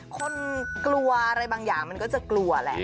คนกลัวอะไรบางอย่างมันก็จะกลัวแหละ